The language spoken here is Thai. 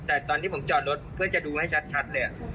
แต่ตอนที่ผมจอดรถเพื่อจะดูให้ชัดเลย